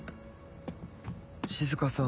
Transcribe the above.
静さん。